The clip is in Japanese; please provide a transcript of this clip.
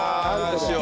しよう。